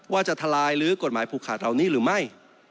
ทะลายลื้อกฎหมายผูกขาดเหล่านี้หรือไม่